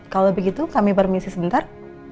kalau begitu kami permisi sebentar